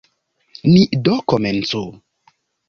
Ni do komencu.